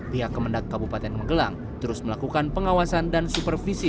pihak kemendak kabupaten magelang terus melakukan pengawasan dan supervisi